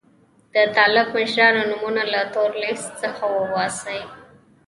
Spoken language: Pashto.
د طالب مشرانو نومونه له تور لیست څخه وباسي.